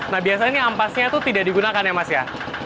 nah biasanya ini ampasnya itu tidak digunakan ya mas ya